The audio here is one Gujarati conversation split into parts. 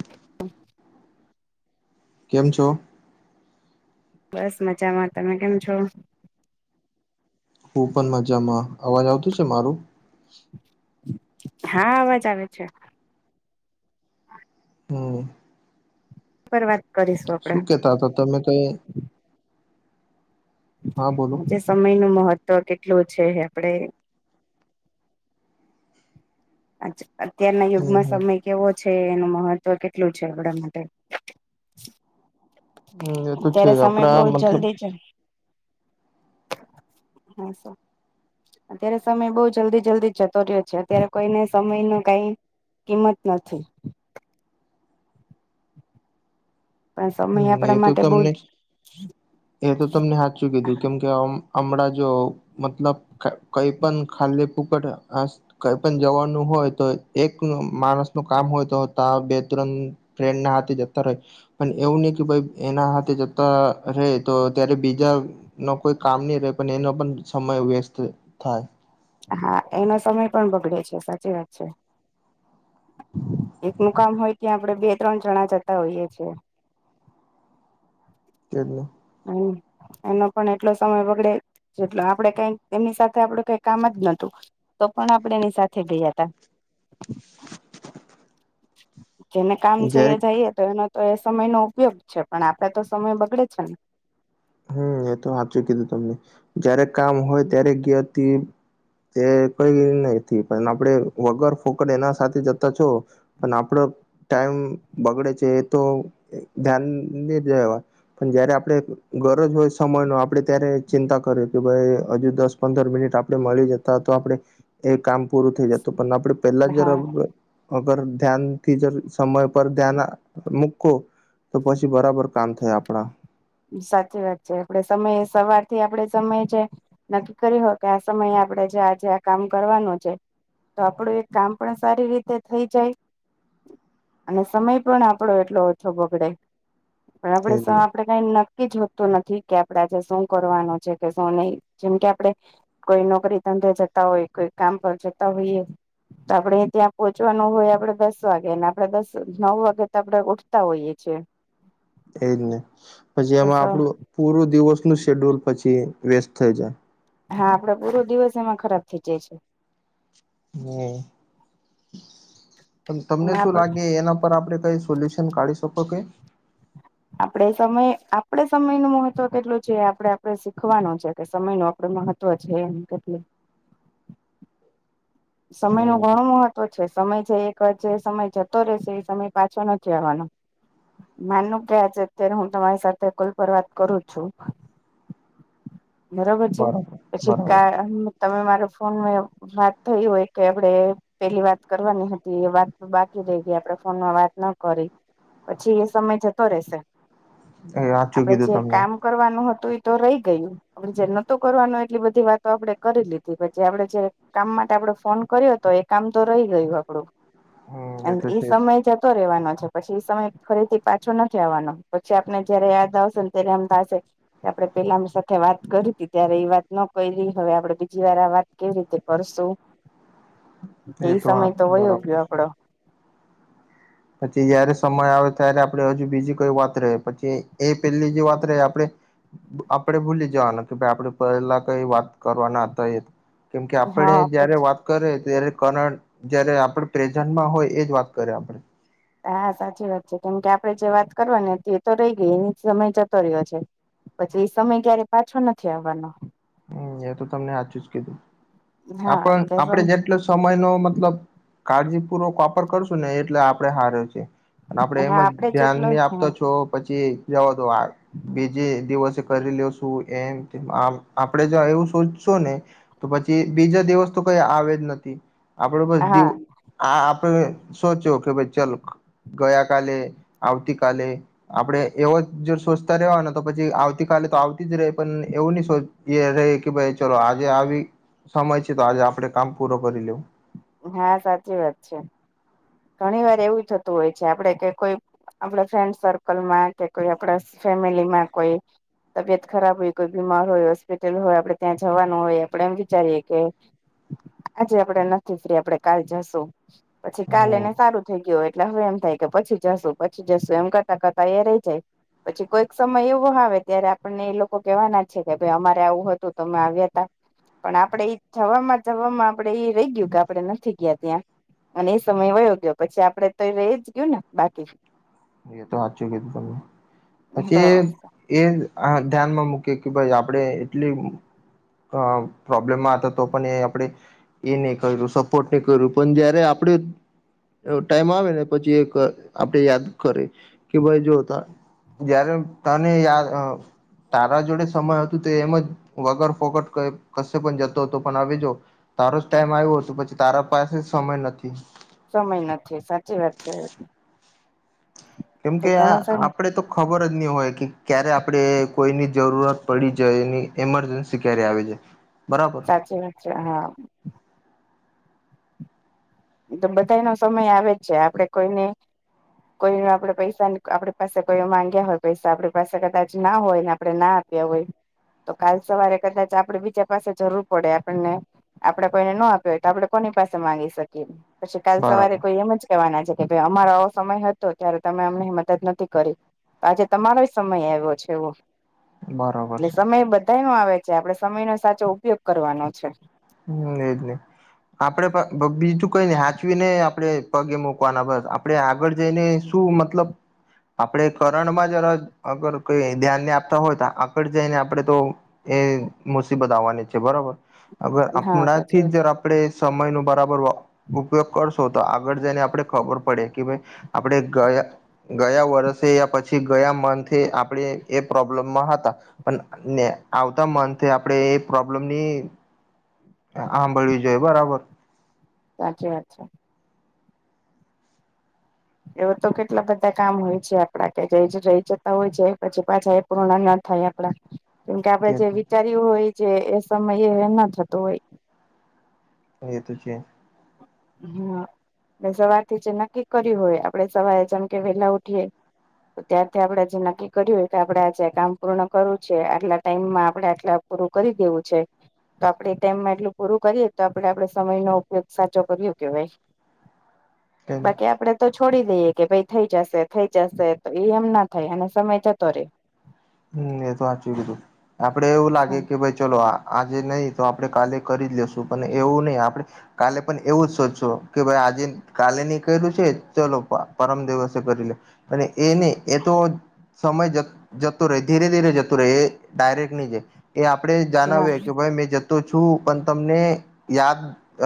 [inaudible] કેમ છો? બસ, મજામાં. તમે કેમ છો? હું પણ મજામાં. અવાજ આવતુ છે મારું? હા, અવાજ આવે છે. હમ. પર વાત કરીશું આપડે શું કેતા હતા તમે કઈ હા બોલો. હું જે સમયનું મહત્વ કેટલું છે આપડે આજ અત્યારના હમ યુગમાં હમ. સમય કેવો છે, એનું મહત્વ કેટલું છે આપડા માટે. હમ એ તો છે અત્યારે સમય આપડા બઉ મતલબ જલ્દી ચ [inaudible] અત્યારે સમય બઉ જલ્દી-જલ્દી જતો રહ્યો છે. અત્યારે કોઈને સમયનું કાંઈ કિંમત નથી. સમય હમ એ આપણા તો માટે બહુ તમને જ એ તો તમને હાચું કીધું. કેમ કે હમ-હમણાં જો મતલબ ક-કઈ પણ ખાલી ફુક્ત આ કઈ પણ જવાનું હોય તો એક માણસનું કામ હોય તો તા બે-ત્રણ ફ્રેન્ડના હાથે જતા રહે. પણ એવું ની કે ભાઈ એના હાથે જતા રહે તો ત્યારે બીજા નો કોઈ કામ નહી રહે પણ એનો પણ સમય વેસ્ટ થાય. હા એનો સમય પણ બગડે છે સાચી વાત છે. [unintelligible] એકનું કામ હોય ત્યાં આપડે બે ત્રણ જણા જતા હોઈએ છીએ. તેજ ને. હમ્મ એનો પણ એટલો સમય બગડે જેટલો આપડે કાઈક એમની સાથે આપડું કઈ કામ જ નતું. તો પણ આપણે એની સાથે ગયાતા. [inaudible] જેને કામ છે એ જયારે જાઈએ તો એનો તો એ સમયનો ઉપયોગ છે. પણ આપડે તો સમય બગડે છે ને. હમ્મ એ તો હાચું કીધું તમને. જ્યારે કામ હોય ત્યારે ગ્યાતિ તે કઈ નથી. પણ આપણે વગર ફોકટ એના સાથે જતા છો અને આપડો ટાઈમ બગડે છે તો ધ્યાન ની દેવાય. પણ જયારે આપડે ગરજ હોય સમયનો આપડે ત્યારે ચિંતા કરીએ કે ભાઈ હજી દસ-પંદર મિનિટ આપડે મળી જ તા તો આપડે એ કામ પૂરું થઈ જતું. પણ આપડે પેલા ને જ હા [unintelligible] અગર ધ્યાનથી જ સમય પર ધ્યાના મુકો તો પછી બરાબર કામ થાય આપણા. સાચી વાત છે. આપડે સમયે સવારથી આપડે સમય છે. નક્કી કર્યું હોય કે આ સમયે આપડે જે આજે આ કામ કરવાનું છે. તો આપડે એ કામ પણ સારી રીતે થઈ જાય. અને સમય પણ આપડો એટલો ઓછો બગડે. પણ આપણે સ આપડે ટાઈમ નક્કી જ હોતું નથી કે આપડે આજે શું કરવાનું છે કે શું નહી. જેમ કે આપડે કોઈ નોકરી ધંધે જતા હોય, કોઈ કામ પર જતા હોઈએ. તો આપડે ત્યાં પોહોંચવાનું હોય આપડે દસ વાગે અને આપડે દસ નવ વાગે તો આપડે ઉઠતા હોઈએ છીએ. એજ ને. પછી દસ એમાં આપડું પૂરું દિવસનું શેડ્યુલ પછી વેસ્ટ થઈ જાય. હા આપડે પૂરો દિવસ એમાં ખરાબ થઈ જાય છે. હમ્મ. પણ તમને શું લાગે એના પર આપડે કઈ સોલ્યુશ શન કાઢી શકો કે? આપણેે સમય આપડે સમયનું મહત્વ કેટલું છે આપડે આપડે શીખવાનું છે કે સમયનું આપડે મહ ત્વ છે એમ કેટલું. સમયનો હમ ઘણો મહત્વ છે. સમય છે એક વાર જે સમય જ તો રે છે એ સમય પાછો નથી આવવાનો. માનો કે આજે અત્યારે હું તમારી સાથે કોલ પર વાત કરું છું બરોબર છે? બરાબર પછી બરાબર કા તમે મારે ફોન મે વાત થઈ હોય કે આપડે પેલી વાત કરવાની હતી એ વાત બાકી રહી ગઈ આપડે ફોનમાં વાત ન કરી. પછી એ સમય જતો રેશે. એ સાચું આપડે કીધું જે તમને કામ કરવાનું હતું ઈ તો રહી ગયું. આપડે જે નતો કરવાનો એટલી બધી વાતો આપડે કરી લીધી. પણ જે આપડે જે કામ મા ટે આપડે ફોન કર્યો તો એ કામ તો રહી ગયું આપડું. હમ એ અને તો ઈ છે સમય જ તો રહેવાનો છે પછી એ સમય ફરીથી પાછો નથી આવવાનો. પછી આપને જયારે યાદ આવશે ને ત્યારે આમ થાશે કે આપણે પહેલા ના સાથે વાત કરી તી ત્યારે એ વાત ન કરી હવે આપણે બીજી વાર આ વાત કેવી રીતે કરશું. જ એ હા સમય તો વયો બરાબર ગયો છે. આપણો. પછી જ્યારે સમય આવે ત્યારે આપણે હજુ બીજી કોઈ વાત રહે. પછી એ પેલી જે વાત રહે આપણે આપણે ભૂલી જવાના કે ભાઈ આપણે પહેલાં કંઈ વાત કરવાના હતા એ. કેમ કે આપણે હા જ્યારે પછી વાત.. કરે ત્યારે, કરણ જ્યારે આપણે પ્રેઝન્ટમાં હોઈએ એ જ વાત કરીએ આપણે. હા, સાચી વાત છે, કેમ કે આપણે જે વાત કરવાની હતી એ તો રહી ગઈ, એનો સમય જતો રહ્યો છે. પછી એ સમય ક્યારેય પાછો નથી આવવાનો. એ તો તમને હાચુજ કિધું હા આપણ કે સમ આપડે જે. એટલે સમયનો મતલબ કાળજીપૂર્વક કાપડ કરશું ને, એટલે આપણે હારુ છીએ. આપણે એમ હા જ આપડે ધ્યાન જેટલો નહીં આપતા હા છો પછી જવાદો વાત બીજા દિવસે... કરી લઈશું એમ આપણે જો એવું સોચસુને ને, તો પછી... બીજો દિવસ તો કંઈ આવે જ નથી આપણો, બસ. હા આ આપણે સોચો કે, બચ્ચા લોક ગયા કાલે, આવતી કાલે. આપણે એવું જો એવાજ સોચતરેવાને તો પછી આવતી કાલ તો આવતી જ રહે, પણ એવું નહીં સો એમ કે, ભાઈ, ચાલો, આજે આવો સમય છે તો આજે આપણે કામ પૂરું કરી લેવું. હા સાચી વાત છે. ઘણી વાર એવું થતું હોય છે આપણે કે કોઈ... આપણા ફ્રેન્ડ સર્કલમાં કે કોઈ આપણા ફેમેલીમાં કોઈક.. તબિયત ખરાબ હોય, કોઈ બીમાર હોય, હોસ્પિટલમાં હોય, આપણે ત્યાં જવાનું હોય, આપણે એમ વિચારીએ કે... આજે આપડે નથી ફ્રી, આપણે કાલે જઈશું. કાલે ને હમ સારું થઈ ગયું, એટલે હવે એમ થાય કે પછી જઈશું, પછી જઈશું એમ કરતાં કરતાં એ રહી જાય. પછી કોઈક સમય એવો આવે ત્યારે આપણને એ લોકો કહેવાના છે કે, ભાઈ, અમારે આવું હતું તો અમે આવ્યા હતા. પણ આપણે એ જવામાં-જવામાં એ રહી ગયું કે આપણે ત્યાં નથી ગયા અને... સમય વહી ગયો, પછી આપણે તો એ રહી જ ગયું ને, બાકી. એ તો હાચુ કીધું તમે પછી.. તો એ જ ધ્યાનમાં મૂકીને કે, ભાઈ, આપણે એટલી... એ પ્રોબ્લેમ હતો તો પણ એ આપણે એ નથી કર્યું, સપોર્ટ નથી કર્યો. પણ જ્યારે આપણે.. એવો ટાઈમ આવે ને, પછી એક આપણે યાદ કરીએ કે, ભાઈ, જો ત્યારે... જ્યારે તને યાદ અ.. તારી જોડે સંબંધ હતો તો એમ જ વગર ફોગટ ક્યાંય કસે પણ જતો હતો, પણ અવે જો.. તારો જ ટાઈમ આવ્યો હતો, પછી તારી પાસે જ સમય નથી. સમય નથી સાચી વાત છે. કેમ તે કે ઘણો આ સમય આપડે તો. ખબર જ નહીં હોય કે ક્યારે આપણને કોઈની જરૂર પડે કે ઇમર્જન્સી ક્યારે આવી જાય. બરા.. સાચી વાત છે આ તો બધાનો સમય જ છે, આપણે કોઈને... કોઈ આપણને પૈસા આપડી પાસે માંગ્યા હોય પૈસા, આપણી પાસે કદાચ પૈસા ન હોય ને, આપણે ના... માગ્યા હોય તો કાલ સવારે કદાચ આપણે બીજાની જરૂર પડે આપણને. આપણે કોઈને ન આપ્યો હોય તો આપણે કોની પાસે માંગી શકીએ? પછી કાલ સવારે બરાબર કોઈ એમ જ... કહેવાના છે કે, ભાઈ, અમારો આવો સમય હતો ત્યારે તમે અમને મદદ નથી કરી. આજે તમારો સમય આવ્યો છે એવો. બરાબર એટલે છે સમય બધા નો આવે છે આપડે સમય નો સાચો ઉપયોગ કરવાનો છે. હા, એ જ નહીં, આપણે પણ બીજું કંઈ નહીં સાચવીને. આપણે પગલે મૂકવાના, બસ આપણે આગળ જઈને શું મતલબ? આપણે કરણમાં જરા આગળ કોઈ ધ્યાન આપતા હોય તો આગળ જઈને આપણે તો... એ મુસીબત આવવાની છે બરાબર અગર હા આપણા સાચી થી વાત છે જ.. આપડે સમયનું બરાબર વો ઉપયોગ કરશો તો આગળ જઈને આપણે ખબર પડે કે ભાઈ આપણે ગયા ગયા વર્ષે યા પછી ગયા મંથે આપણે એ પ્રોબ્લેમમાં હતા. પણ આવતા મંથે આપણેે એ પ્રોબ્લેમની આંભળી જય બરાબર સાચી વાત છે. એવ તો કેટલા બધા કામ હોય છે, આપડા કે જ રહી જતા હોય છે, પછી પાછા કોરોણા ના થાય આપડા કેમકે તે આપડે જે વિચાર્યું હોય છે. એ સમયે ના થતુ હોય હ એ તો છે. હ સવારથી જે નક્કી કર્યું હોય આપડે સવારે જેમ કે વેલા ઉઠીએ તો ત્યારથી આપડે જે નક્કી કર્યું હોય કે આપડે આજે કામ પૂર્ણ કરવું છે. આટલા ટાઈમમાં આપણે આટલા પૂરું કરી દેવું છે, તો આપડે એ ટાઈમમાં એટલું પૂરું કરીએ તો આપડે આપડે સમયનો ઉપયોગ સાચો કર્યું કેવાય બાકી આપડે તો છોડી દઈએ કે ભાઈ થઈ જાશે થઈ જાશે તો એ એમ ના થાય અને સમય જતો રે હમ એ તો હાચી કીધું આપડે એવું લાગે કે ભાય ચલો આજે નહી તો આપડે કાલે કરી જ લેશું પણ એવું ની આપણે કાલે પણ એવું જ સોધસુ કે ભાઈ આજે કાલે નીકળ્યું કર્યું છે, ચલો પરમ દિવસે કરી લે અને એ નહી એ તો સમય જ જ તુ ધીરે ધીરે જતું રહે એ ડાયરેક્ટ ની એ આપણે હા જણાવએ કે ભાઈ મે તો છું પન તમને યાદ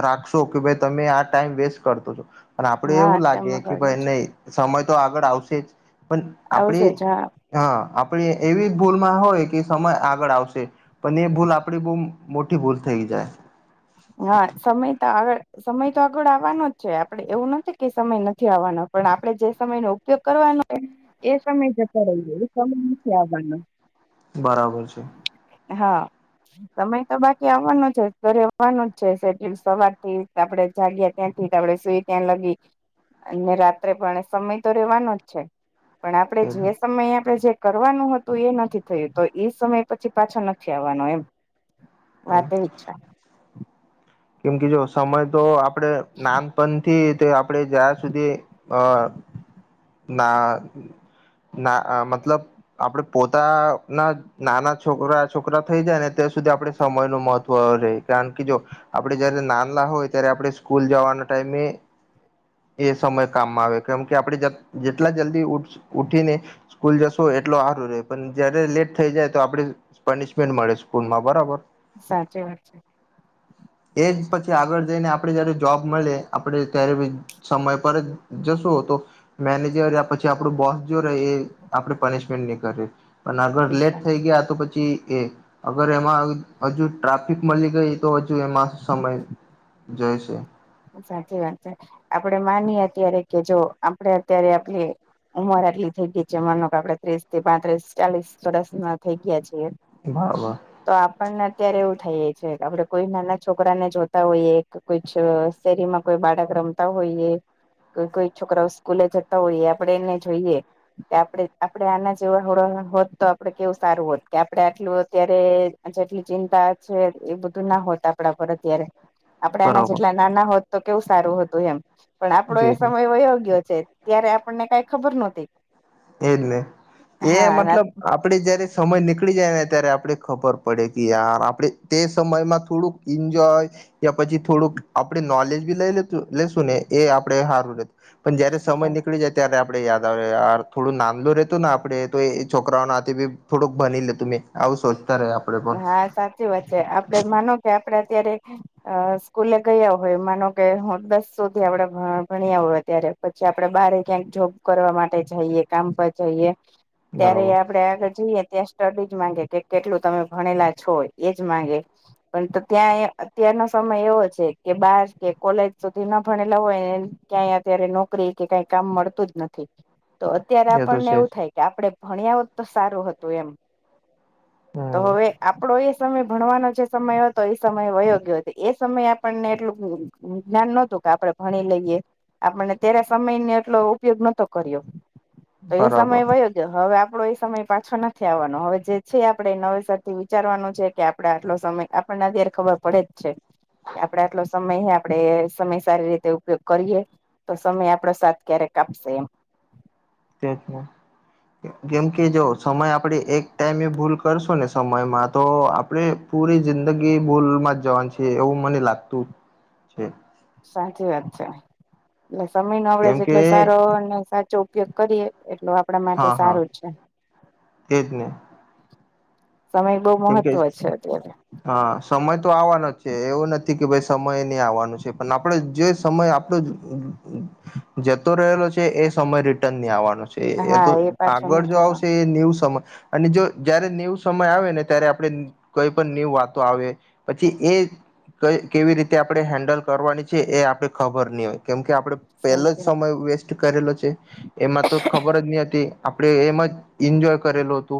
રાખશો કે ભાઈ તમે આ ટાઈમ વેસ્ટ કરતો છો અને આપડે હા એવું લાગે કે ટમગડ્યો ભાઈ છે નય સમય તો આગળ આવશે જ પણ આપણે આવશે જ હા હા આ પણે એવી ભૂલમાં હોય કે સમય આગળ આવશે. પણ એ ભૂલ આપડી બો મોટી ભૂલ થઈ જાય. હા સમય તો આગળ સમય તો આગળ આવવાનો જ છે, આપડે એવું નથી કે સમય નથી આવાનો પણ આપડે જે સમયનો તો કરવાનો એ સમય જતો રહ્યો એ સમય નથી આવવાનો બરાબર છે. હા સમય તો બાકી આવવાનો [unintelligible] જવાનું જ છે. સેટલ સવારથી આપડે જાગ્યા ત્યાંથી આપણે સુઈ ત્યાં લગી અને રાત્રે પણ સમય તો રેવાનો જ છે. પણ આપણેે જે સમય આપણે જે કરવાનું હતું એ નથી થયું તો એ સમય પછી પાછા નથી આવાનો એમ હમ. વાત એવી જ છે. કેમ કે જો સમય તો આપણે નાનપણથી તે આપણે જ્યાં સુધી અ ના ના મતલબ આપડે પોતાના નાના છોકરા છોકરા થઈ જાય ને ત્યાં સુધી આપડે સમયનુ મહત્વ રે કારણ કે જો આપડે જયારે નાનલા હોય ત્યારે આપણે સ્કૂલ જાવાના ટાઈમે એ સમય કામમાં આવે કેમ કે આપણે જ જેટલા જલ્દી ઉ ઉઠીને સ્કૂલ જશો એટલો હારું રહે પણ જયારે લેટ થઈ જાય તો આપડે પનિશમેન્ટ મળે સ્કૂલમાં બરાબર સાચી વાત છે. એ જ પછી આગળ જઈને આપણેે જયારે જોબ મલયે આપણેે ત્યારે સમય પર જ જશું તો મેનેજર આ પછી આપડુ બોસ જો રહે આપડે પનિશમેન્ટ ની કરે. અને આગળ લેટ સાચી થઈ ગયા તો પછી એ અગર એમાં હજુ ટ્રાફિક મલી ગઈ તો હજુ એમાં સમય જશે સાચી વાત છે આપડે માનીએ અત્યારે કે જો આપડે અત્યારે આપલી ઉંમર આટલી થઈ ગઈ છે માનો કે આપડે ત્રીસ થી પાંત્રીસ ચાલીસ વર્ષના થઈ ગયા છીએ વાહ વાહ તો આપણને અત્યારે એવું થઈએ છે કે આપડે કોઈ નાના છોકરાને જોતા હોઈએ કે કોઈ છ શેરી માં કોઈ બાળક રમતા હોઈએ કે કોઈ છોકરાઓ સ્કૂલે જતા હોઈએ આપડે એને જોઈએ કે આપડે આપડે આના જેવા હોળો હોત તો આપડે કેવું સારું હોત કે આપડે આટલું અત્યારે આ જેટલી ચિંતા છે એ બધું ના હોત આપડા પર અત્યારે આપડે આના જેટલા બરાબર નાના હોત તો કેવું સારું હતું એમ પણ આપડો એ સમય વયો ગ્યો છે. ત્યારે આપણને કાંઈ ખબર નોતી તેજ ને તે હા મતલબ આ પડે જયારે સમય નીકળી જાય ને ત્યારે આપડે ખબર પડે કે યાર આપણે તે સમયમાં થોડુંક ઈન્જોય યા પછી થોડુંક આપડે નોલેજ બી લઈ લેશું લેશુને એ આપડે હારું રેત પન જયારે સમય નીકળી જાય ત્યારે આપડે યાદ આવે યાર થોડું નાંનલુ રેતું ને આપડે તો એ છોકરાઓને હાથે બી થોડુંક ભની લેતું મેં આવુ સોચતા રેય આપડે પણ હા વાત સાચી છે આપડે માનો કે આપડે અત્યારે અ સ્કૂલે ગયા હોય માનો કે હું દસ સુધી આપડે ભ ભણ્યા હોય અત્યારે પછી આપડે બારે ક્યાંક જોબ કરવા માટે જાઈએ કામ પર જાઈએ ત્યારે બરાબર આપડે આગળ જઈએ ત્યાં સ્ટડી જ માંગે કે કેટલું તમે ભણેલા છો એજ માંગે પણ તો ત્યાંએ અત્યારનો સમય એવો છે કે બાર કે કોલેજ સુધી ન ભણેલા હોય એન ક્યાંય અત્યારે નોકરી કે કાંઈ કામ મળતું જ નથી તો અત્યારે એ તો આપણને છે એવુ જ થાય કે આપડે ભણ્યા હોત તો સારું હતું એમ તો હમ હવે આપડો એ સમય ભણવાનો જે સમય હતો એ સમયે વયો ગ્યો તે સમયે આપણને એટલું જ્ઞાન નોતું કે આપડે ભણી લઈએ આપણને ત્યારે સમયને એટલો ઉપયોગ નતો કર્યો તો એ બરાબર સમય વયો જો હવે આપણો એ સમય પાછો નથી આવવાનો હવે જે છે આપડે નવે [unintelligible] વિચારવાનું છે કે આપડે આટલો સમય આપણને અત્યારે ખબર પડે જ છે કે આપડે આટલો સમય હે આપડે સમય સારી રીતે ઉપયોગ કરીએ તો સમય આપડો સાથ ક્યારેક આપશે એમ તેજ ને કેમ કે જો એમ સમય આપડે એક ટાઈમે ભૂલ કરશુ ને સમયમાં તો આપણેે પૂરી જિંદગી ભૂલમાં જ જવાનું છે એવું મને લાગતું છે સાચી વાત છે એટલે સમયનો આપણે કેમ છે કે એટલો સારો અને સાચો ઉપયોગ કરીએ એટલું આપણા માટે હા હા સારું છે એજ ને સમય બો કેમકે મહત્વ છે અત્યારે હા સમય તો આવવાનો જ છે એવો નથી કે ભઈ સમય નઈ આવવાનો છે પન આપડે જે સમય આપડો જ જતો રહેલો છે એ સમય રિટર્ન ની આવવાનો છે એ એ તો હા પાછો આગળ જો નથી આવશે આવવાનો એ ન્યુ સમય અને જો જયારે ન્યુ સમય આવે ને ત્યારે આપણે કોઈ પણ ન્યુવ વાતો આવે પછી એ કઈ કેવી રીતે આપણે હેન્ડલ કરવાની છે, એ આપણે ખબર ની હોય કેમ કે આપણે પેલો સાચી જ સમય વે કરેલો છે, એમાં તો ખબર જ ની હતી આપડે એમ જ એન્જોય કરેલો તો